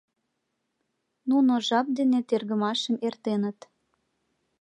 Нуно жап дене тергымашым эртеныт.